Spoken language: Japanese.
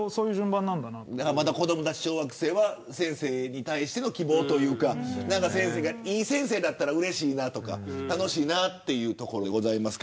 だから子どもたち小学生は先生に対しての希望というかいい先生だったらうれしいなとか楽しいなというところ。